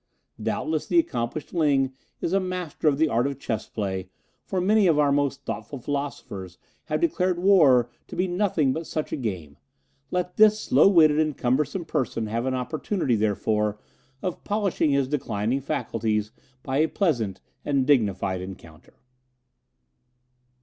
Doubtless the accomplished Ling is a master of the art of chess play, for many of our most thoughtful philosophers have declared war to be nothing but such a game; let this slow witted and cumbersome person have an opportunity, therefore, of polishing his declining facilities by a pleasant and dignified encounter."